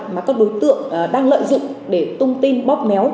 mà các đối tượng đang lợi dụng để tung tin bóp méo